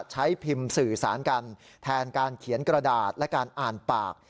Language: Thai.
ใช้พิมพ์สื่อสารกันแทนการเขียนกระดาษและการอ่านปาก